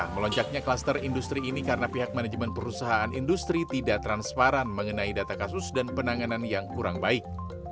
melonjaknya kluster industri ini karena pihak manajemen perusahaan industri tidak transparan mengenai data kasus dan penanganan yang kurang baik